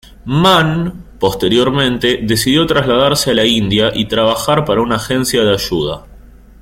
Mann, posteriormente, decidió trasladarse a la India y trabajar para una agencia de ayuda.